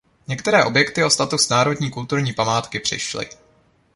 Některé objekty o status národní kulturní památky přišly.